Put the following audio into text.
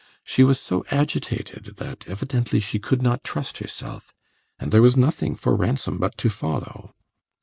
She was so agitated that, evidently, she could not trust herself, and there was nothing for Ransom but to follow.